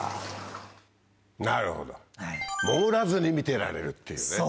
なるほど潜らずに見てられるっていうね。